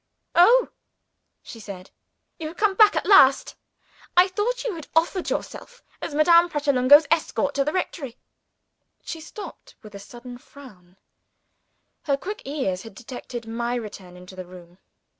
"Oh?" she said. "You have come back at last? I thought you had offered yourself as Madame Pratolungo's escort to the rectory." She stopped, with a sudden frown. Her quick ears had detected my return into the room.